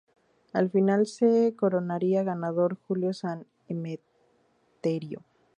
Al final se coronaría ganador Julio San Emeterio.